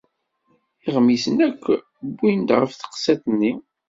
Iɣmisen akk wwin-d ɣef teqsiṭ-nni.